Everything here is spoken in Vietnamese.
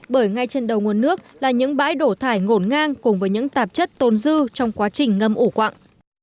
bởi ngay trên đầu nguồn nước là những bãi đổ thải ngổn ngang cùng với những tạp chất tôn dư trong quá trình ngâm ủ quặng